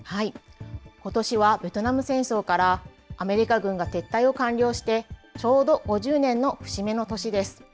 ことしは、ベトナム戦争からアメリカ軍が撤退を完了してちょうど５０年の節目の年です。